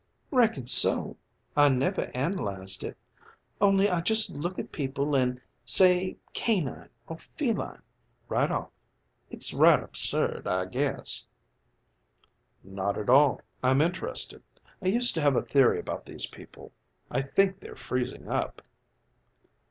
"Reckon so. I never analyzed it only I just look at people an' say 'canine' or 'feline' right off. It's right absurd I guess." "Not at all. I'm interested. I used to have a theory about these people. I think they're freezing up."